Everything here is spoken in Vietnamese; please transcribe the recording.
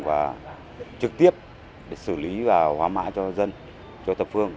và trực tiếp để xử lý và hóa mã cho dân cho tập phương